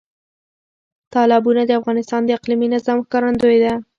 تالابونه د افغانستان د اقلیمي نظام ښکارندوی ده.